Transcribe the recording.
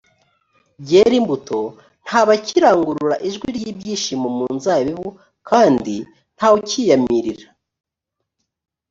byera imbuto nta bakirangurura ijwi ry ibyishimo mu nzabibu kandi nta wucyiyamirira